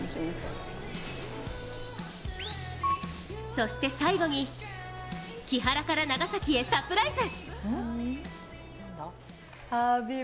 そして最後に木原から長崎へサプライズ。